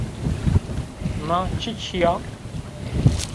Na çiçî ya?